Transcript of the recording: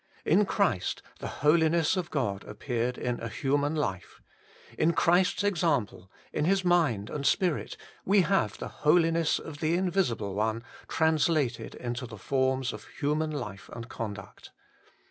In Christ the Holiness of God appeared in a human life : in Christ's example, in His mind and Spirit, we have the Holiness of the Invisible One translated into the forms of human life and conduct.